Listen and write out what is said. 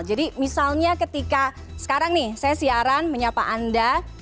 jadi misalnya ketika sekarang nih saya siaran menyapa anda